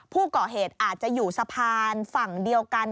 ผู้ก่อเหตุอาจจะอยู่สะพานฝั่งเดียวกัน